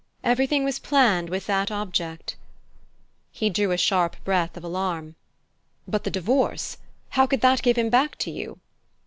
Everything was planned with that object." He drew a sharp breath of alarm. "But the divorce how could that give him back to you?"